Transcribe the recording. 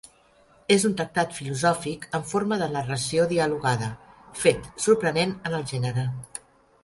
És un tractat filosòfic en forma de narració dialogada, fet sorprenent en el gènere.